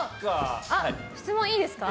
質問いいですか。